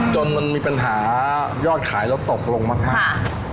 จนมันมีปัญหายอดขายแล้วตกลงมาก